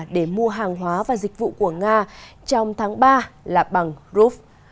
để mua hàng hóa và dịch vụ của nga trong tháng ba là bằng group